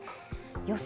予想